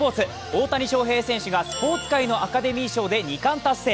大谷翔平選手がスポーツ界のアカデミー賞で２冠達成。